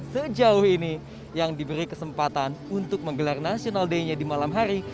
sejauh ini yang diberi kesempatan untuk menggelar national day nya di malam hari